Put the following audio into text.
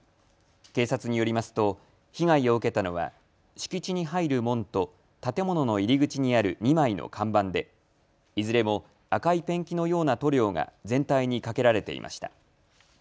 警察によりますと被害を受けたのは敷地に入る門と建物の入り口にある２枚の看板でいずれも赤いペンキのような塗料が全体にかけられていました。